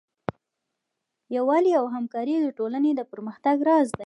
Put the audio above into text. یووالی او همکاري د ټولنې د پرمختګ راز دی.